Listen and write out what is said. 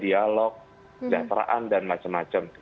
dialog kejateraan dan macam macam